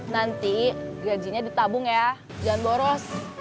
nanti gajinya ditabung ya jangan boros